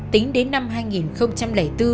tính đến năm hai nghìn bốn